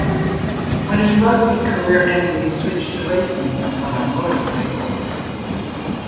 When his rugby career ended he switched to racing, but on motorcycles.